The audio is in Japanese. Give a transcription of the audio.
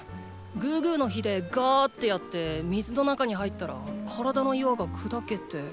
グーグーの火でガーってやって水の中に入ったら体の岩が砕けて。